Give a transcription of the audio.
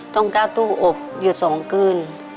ต้องก้าวตู้อบอยู่๒คืน